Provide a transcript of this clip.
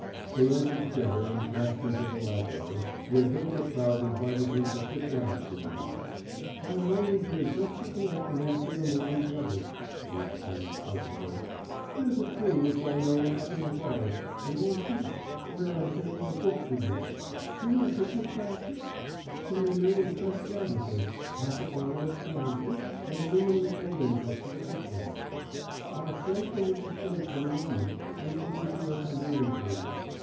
They entered together and passed into the library, where Hylda Prout invited him to sit down for a minute. "I am only here just to collect and answer the morning's letters," she explained pleasantly. "There's a tree which I know in Epping Forest an old beech where I'm taking a book to read. See my picnic basket? tomato and cress sandwiches, half a bottle of Chianti, an aluminum folding cup to drink from. I'll send for Mrs. Bates in a moment, and leave her to your tender inquiries.